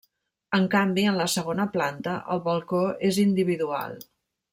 En canvi, en la segona planta, el balcó és individual.